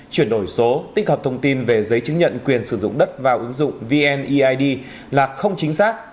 chuyển đổi số tích hợp thông tin về giấy chứng nhận quyền sử dụng đất vào ứng dụng vneid là không chính xác